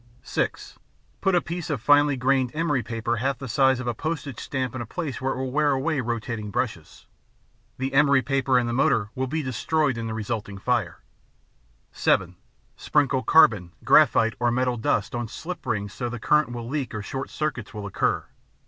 (6) Put a piece of finely grained emery paper half the size of a postage stamp in a place where it will wear away rotating brushes. The emery paper and the motor will be destroyed in the resulting fire. (7) Sprinkle carbon, graphite or metal dust on slip rings so that the current will leak or short circuits will occur.